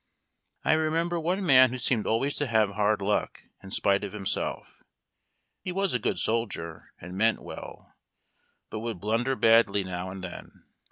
I remember one man who seemed always to have hard luck in spite of himself. He was a good soldier and meant well, but would blun der badly now and then.